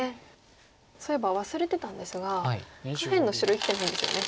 そういえば忘れてたんですが下辺の白生きてないんですよね。